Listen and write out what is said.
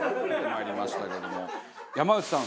山内さん